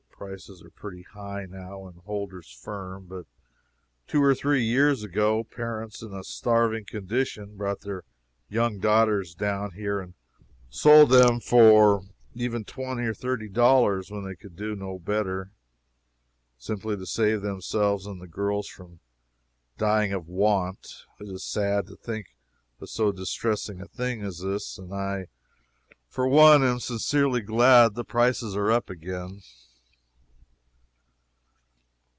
Prices are pretty high now, and holders firm; but, two or three years ago, parents in a starving condition brought their young daughters down here and sold them for even twenty and thirty dollars, when they could do no better, simply to save themselves and the girls from dying of want. It is sad to think of so distressing a thing as this, and I for one am sincerely glad the prices are up again.